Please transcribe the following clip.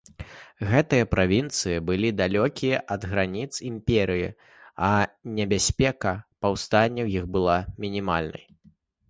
Гэтыя правінцыі былі далёкія ад граніц імперыі, а небяспека паўстання ў іх была мінімальнай.